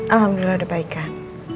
alhamdulillah udah baik kak